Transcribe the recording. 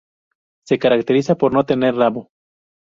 Se caracteriza por no tener rabo.